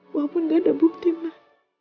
walaupun gak ada bukti mah